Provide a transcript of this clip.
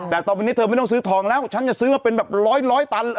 แต่ต่อไปนี้เธอไม่ต้องซื้อทองแล้วฉันจะซื้อมาเป็นแบบร้อยตัน